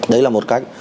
đấy là một cách